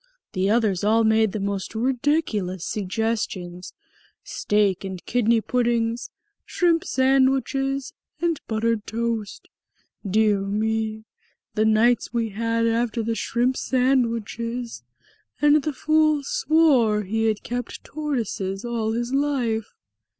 The others all made the most ridiculous suggestions. Steak and kidney puddings shrimp sandwiches and buttered toast. Dear me! The nights we had after the shrimp sandwiches! And the fool swore he had kept tortoises all his life!"